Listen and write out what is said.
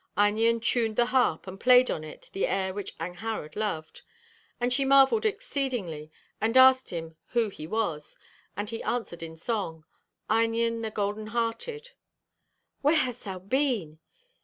Einion tuned the harp, 'and played on it the air which Angharad loved. And she marvelled exceedingly, and asked him who he was. And he answered in song: ... "Einion the golden hearted." ... "Where hast thou been!"